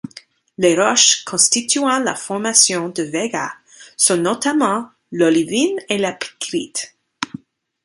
Les roches constituant la formation de Vaigat sont notamment l'olivine et la picrite.